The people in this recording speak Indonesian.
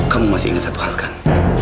kamu masih ingin satu hal kan